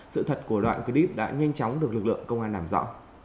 sự thật của đoạn clip đã nhanh chóng được lực lượng công an làm rõ